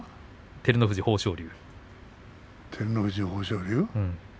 照ノ富士、豊昇龍？